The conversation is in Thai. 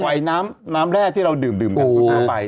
ไว้น้ำน้ำแร่ที่เราดื่มดื่มกับคุณตัวไป